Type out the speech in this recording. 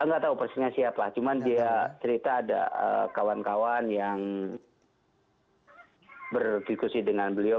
enggak tahu persennya siapa cuman cerita ada kawan kawan yang berdiskusi dengan beliau